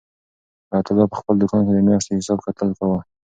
حیات الله په خپل دوکان کې د میاشتې حساب کتاب کاوه.